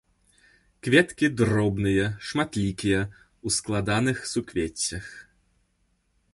Кветкі дробныя, шматлікія, у складаных суквеццях.